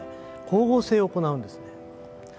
光合成を行うんですね。